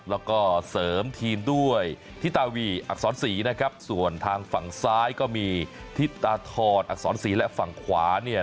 แล้วก็เสริมทีมด้วยทิตาวีอักษรศรีนะครับส่วนทางฝั่งซ้ายก็มีทิศตาทรอักษรศรีและฝั่งขวาเนี่ย